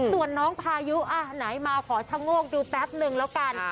ส่วนน้องพายุอ่ะไหนมาขอชะโงกดูแป๊บนึงแล้วกัน